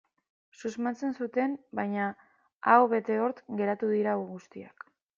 Susmatzen zuten, baina aho bete hortz geratu dira guztiak.